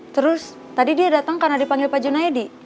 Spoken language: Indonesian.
terus tadi dia datang karena dipanggil pak junaidi